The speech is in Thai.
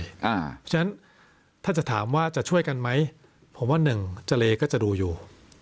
เพราะฉะนั้นถ้าจะถามว่าจะช่วยกันไหมผมว่าหนึ่งเจรก็จะดูอยู่